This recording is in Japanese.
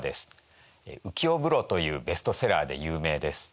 「浮世風呂」というベストセラーで有名です。